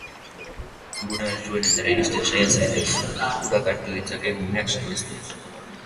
Gune altuenetara iristen saia zaitez, urak hartu ditzakeen guneak saihestuz.